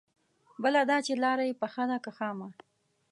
بله دا چې لاره يې پخه ده که خامه؟